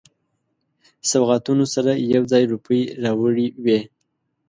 سوغاتونو سره یو ځای روپۍ راوړي وې.